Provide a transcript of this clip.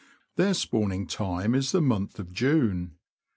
Their spawning time is the month of June.